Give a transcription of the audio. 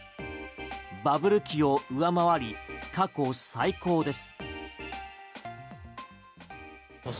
バブル期を上回り過去最高です。